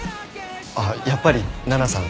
あっやっぱり奈々さん